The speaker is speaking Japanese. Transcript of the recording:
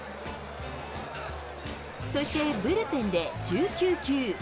そしてブルペンで１９球。